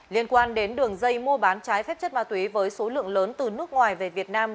liên quan đến đường dây mua bán trái phép chất ma túy với số lượng lớn từ nước ngoài về việt nam